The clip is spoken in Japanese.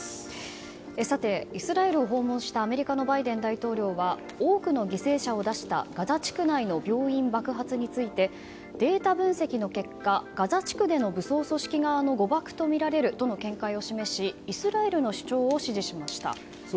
イスラエルを訪問したアメリカのバイデン大統領は多くの犠牲者を出したガザ地区内の病院爆発についてデータ分析の結果ガザ地区での武装組織側の誤爆とみられるとの見解を示し、イスラエルの主張を支持しました。